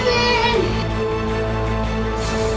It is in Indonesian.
di mana sih